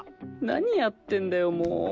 何やってんだよもう。